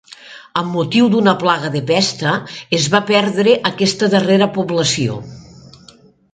Amb motiu d'una plaga de pesta es va perdre aquesta darrera població.